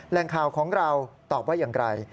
แหล่งข่าวของเราตอบว่าอย่างไร